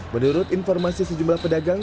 menurut informasi sejumlah pedagang